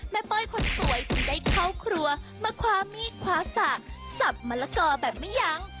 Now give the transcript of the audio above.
เป้ยคนสวยจึงได้เข้าครัวมาคว้ามีดคว้าสากสับมะละกอแบบไม่ยั้ง